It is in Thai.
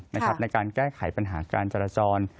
ในการแก้ไขปัญหาการจราจร